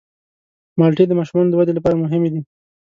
مالټې د ماشومانو د ودې لپاره مهمې دي.